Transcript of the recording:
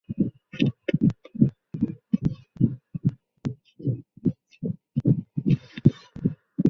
弱音节包括长弱音节和短弱音节。